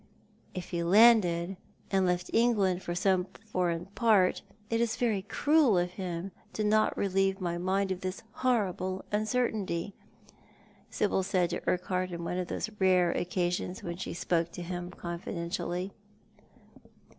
" If he landed, and left England for some foreign port, it is very cruel of him not to relievo my mind of this horrible un certainty," Sibyl said to Uniuhart, on one of those rare occa sions when she spoke to him confidentially.